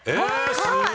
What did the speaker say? すごい！